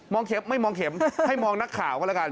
เข็มไม่มองเข็มให้มองนักข่าวก็แล้วกัน